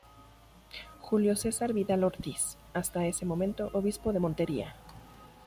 Julio Cesar Vidal Ortiz, hasta ese momento Obispo de Montería.